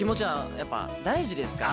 やっぱ大事ですから。